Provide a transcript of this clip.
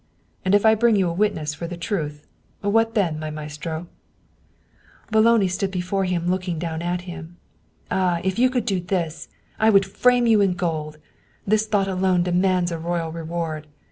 And if I bring you a witness for the truth what then, my maestro ?" Boloni stood before him looking down at him. " Ah, if you could do this! I would frame you in gold! This thought alone demands a royal reward.